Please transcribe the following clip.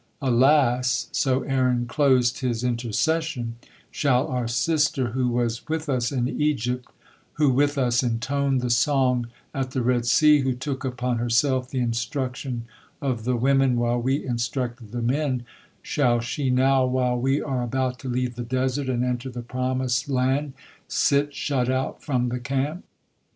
Alas!" so Aaron closed his intercession, "Shall our sister, who was with us in Egypt, who with us intoned the song at the Red Sea, who took upon herself the instruction of the women while we instructed the men, shall she now, while we are about to leave the desert and enter the promised land, sit shut out from the camp?"